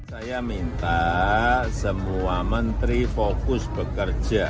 saya minta semua menteri fokus bekerja